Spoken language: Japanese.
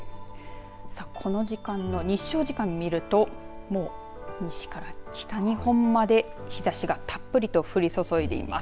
この時間の日照時間を見ると西から北日本まで日ざしがたっぷりと降り注いでいます。